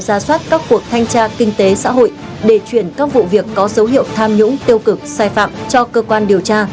ra soát các cuộc thanh tra kinh tế xã hội để chuyển các vụ việc có dấu hiệu tham nhũng tiêu cực sai phạm cho cơ quan điều tra